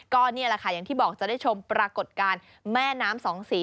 ก็นี่แหละค่ะอย่างที่บอกจะได้ชมปรากฏการณ์แม่น้ำสองสี